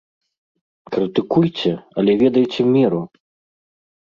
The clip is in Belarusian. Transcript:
Крытыкуйце, але ведайце меру!